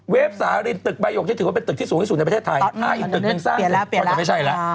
เวฟสาลินตึกบารโยกยังถึงถึงสุดในประเทศไทย